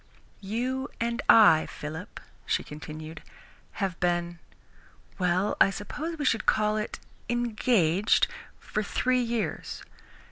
"You and I, Philip," she continued, "have been well, I suppose we should call it engaged for three years.